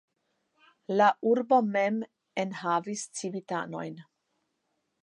La urbo mem en havis civitanojn.